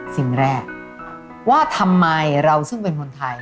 สิ่งแรกว่าทำไมเราซึ่งเป็นคนไทย